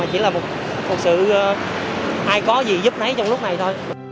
chứ là một sự ai có gì giúp nấy trong lúc này thôi